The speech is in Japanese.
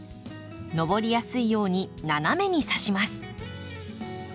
上りやすいように斜めにさします。